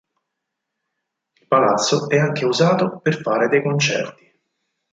Il palazzo è anche usato per fare dei concerti.